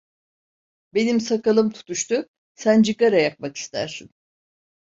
Benim sakalım tutuştu, sen cigara yakmak istersin.